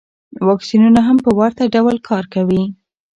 واکسینونه هم په ورته ډول کار کوي.